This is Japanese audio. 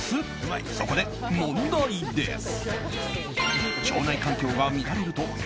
そこで問題です。